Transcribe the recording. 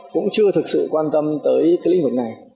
cũng chưa thực sự quan tâm tới cái lĩnh vực này